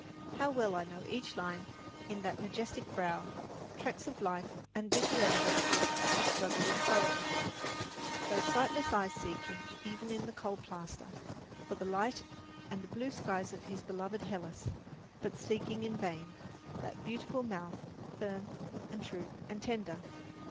How well I know each line in that majestic brow tracks of life and bitter evidences of struggle and sorrow; those sightless eyes seeking, even in the cold plaster, for the light and the blue skies of his beloved Hellas, but seeking in vain; that beautiful mouth, firm and true and tender.